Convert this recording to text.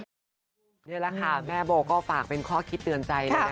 นี่แหละค่ะแม่โบก็ฝากเป็นข้อคิดเตือนใจนะคะ